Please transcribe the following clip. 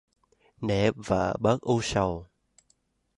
Nể vợ bớt u sầu